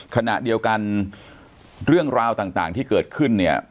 ขณะเดียวกันเรื่องราวต่างที่เกิดขึ้นเนี่ย